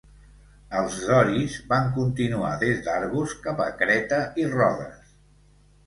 Els doris van continuar des d'Argos cap a Creta i Rodes.